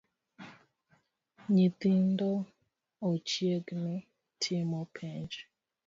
Nyithindo ochiegni timo penj